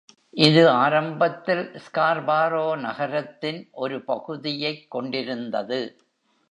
இது ஆரம்பத்தில் ஸ்கார்பாரோ நகரத்தின் ஒரு பகுதியைக் கொண்டிருந்தது.